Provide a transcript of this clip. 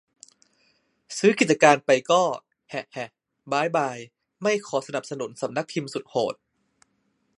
ซื้อกิจการไปก็ แหะ แหะ บ๊ายบาย ไม่ขอสนับสนุนสำนักพิมพ์สุดโหด